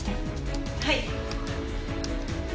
はい。